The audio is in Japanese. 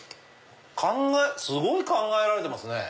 すごい考えられてますね。